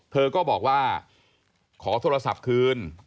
เธอก็บอกว่าขอโทรศัพท์คืน